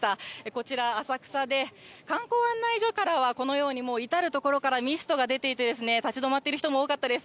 こちら、浅草で観光案内所からはこのようにもう至る所からミストが出ていて、立ち止まっている人も多かったです。